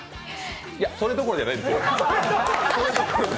いや、それどころじゃないんですよ。